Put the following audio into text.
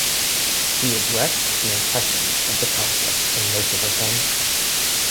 She addressed the impressions of the conflict in most of her films.